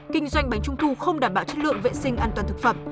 kinh doanh bánh trung thu không đảm bảo chất lượng vệ sinh an toàn thực phẩm